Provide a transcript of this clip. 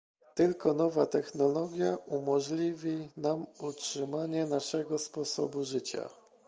Tylko nowa technologia umożliwi nam utrzymanie naszego sposobu życia